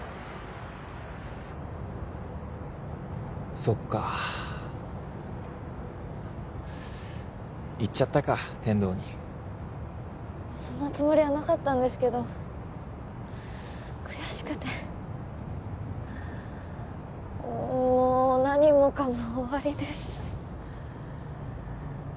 そっか言っちゃったか天堂にそんなつもりはなかったんですけど悔しくてもう何もかも終わりです